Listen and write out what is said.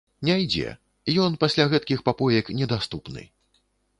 Не ідзе, ён пасля гэтакіх папоек недаступны.